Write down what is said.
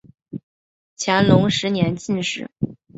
乾隆十年进士。